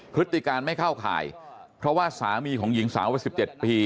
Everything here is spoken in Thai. พฤติการไม่เข้าข่ายเพราะว่าสามีของหญิงสาววัย๑๗ปี